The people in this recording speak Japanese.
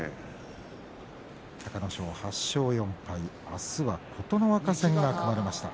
隆の勝は８勝４敗明日は琴ノ若戦が組まれました。